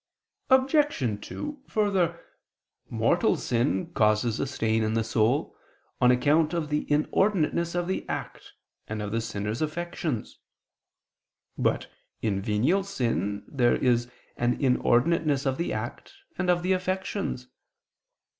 Obj. 2: Further, mortal sin causes a stain in the soul, on account of the inordinateness of the act and of the sinner's affections. But, in venial sin, there is an inordinateness of the act and of the affections.